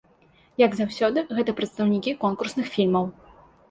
Як заўсёды, гэта прадстаўнікі конкурсных фільмаў.